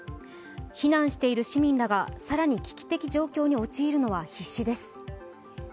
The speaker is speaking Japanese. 避難している市民らが更に危機的状況に陥るのは必至です。